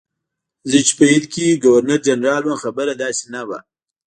زه چې په هند کې ګورنرجنرال وم خبره داسې نه وه.